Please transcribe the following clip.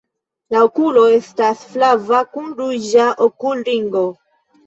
La okulo estas flava kun ruĝa okulringo.